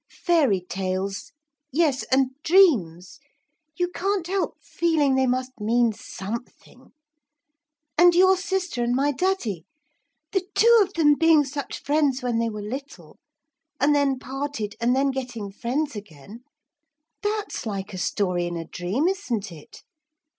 Fairy tales yes, and dreams, you can't help feeling they must mean something. And your sister and my daddy; the two of them being such friends when they were little, and then parted and then getting friends again; that's like a story in a dream, isn't it?